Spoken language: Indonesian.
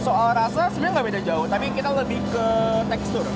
soal rasa sebenarnya nggak beda jauh tapi kita lebih ke tekstur